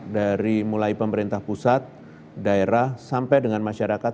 dari mulai pemerintah pusat daerah sampai dengan masyarakat